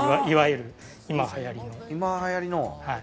いわゆる今はやりの。